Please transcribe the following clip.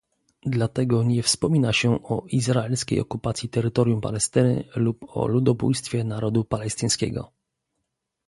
Dlatego nie wspomina się o izraelskiej okupacji terytorium Palestyny lub o ludobójstwie narodu palestyńskiego